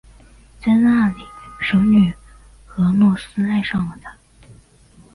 在那里神女俄诺斯爱上了他。